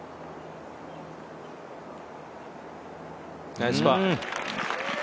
ナイスパー。